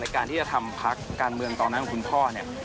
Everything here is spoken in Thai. การที่จะทำพักการเมืองตอนนั้นของคุณพ่อเนี่ย